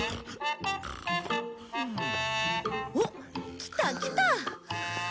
おっ来た来た！